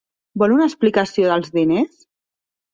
Vol una explicació dels diners?